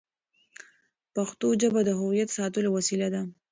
پښتو ژبه د هویت ساتلو وسیله ده.